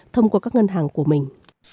thông qua các ngân hàng của mình